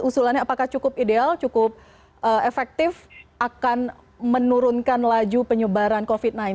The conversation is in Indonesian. usulannya apakah cukup ideal cukup efektif akan menurunkan laju penyebaran covid sembilan belas